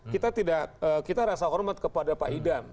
kita tidak kita rasa hormat kepada pak idam